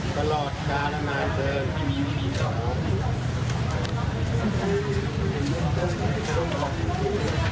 ตลอดช้าและนานเกินที่มีวิธีของคุณ